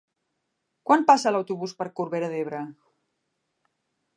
Quan passa l'autobús per Corbera d'Ebre?